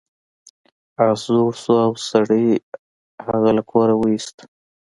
اس زوړ شو او سړي هغه له کوره وویست.